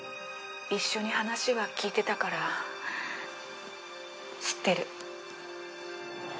一緒に話は聞いてたから知ってる。